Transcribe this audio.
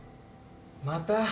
また？